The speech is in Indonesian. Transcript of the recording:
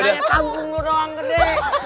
kayak tampung lu doang gede